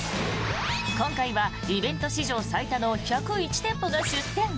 今回はイベント史上最多の１０１店舗が出店。